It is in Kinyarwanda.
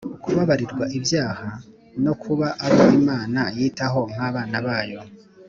ukubabarirwa ibyaha no kuba abo Imana yitaho nk'abana bayo.